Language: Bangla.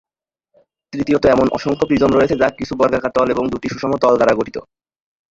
তৃতীয়ত এমন অসংখ্য প্রিজম রয়েছে যা কিছু বর্গাকার তল এবং দুটি সুষম তল দ্বারা গঠিত।